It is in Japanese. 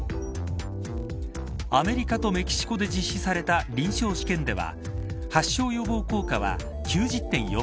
アメリカとメキシコで実施された臨床試験では発症予防効果は９０．４％。